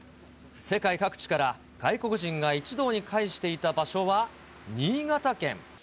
世界各地から外国人が一堂に会していた場所は、新潟県。